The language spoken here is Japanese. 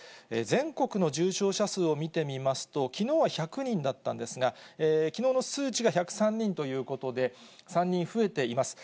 全国の重症者数を見てみますと、きのうは１００人だったんですが、きのうの数値が１０３人ということで、３人増えています。